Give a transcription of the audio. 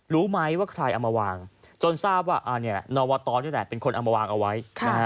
รู้ไหมว่าใครเอามาวางจนทราบว่านวตนี่แหละเป็นคนเอามาวางเอาไว้